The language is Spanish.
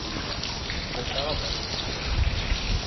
Yo estaba tan ido.